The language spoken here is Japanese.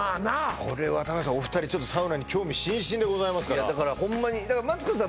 これは高橋さんお二人サウナに興味津々でございますからいやだからマツコさん